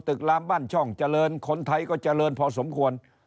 ลามบ้านช่องเจริญคนไทยก็เจริญพอสมควร